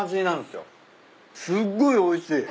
すっごいおいしい。